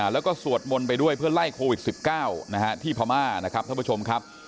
แล้วก็สวดมนต์ไปด้วยเพื่อไล่โควิด๑๙ที่พม่านะครับท่านผู้ชมครับ